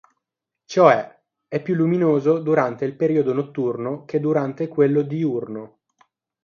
Cioè, è più luminoso durante il periodo notturno che durante quello diurno.